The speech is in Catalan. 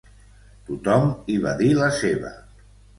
Tot-hom hi va dir la seva